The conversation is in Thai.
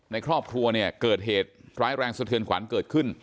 ในครอบครัวเนี่ยเกิดเหตุร้ายแรงสะเทือนขวัญเกิดขึ้น